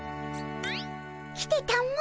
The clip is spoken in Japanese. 来てたも。